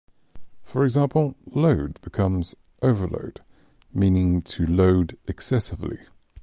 For example, "load" becomes "overload," meaning to load excessively.